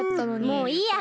もういいや！